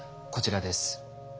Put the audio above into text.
こちらです。